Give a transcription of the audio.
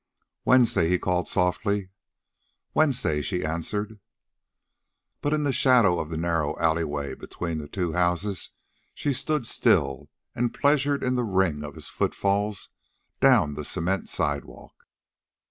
"Wednesday," he called softly. "Wednesday," she answered. But in the shadow of the narrow alley between the two houses she stood still and pleasured in the ring of his foot falls down the cement sidewalk.